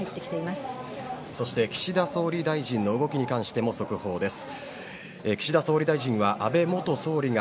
そして岸田総理大臣の動きに関しても速報です。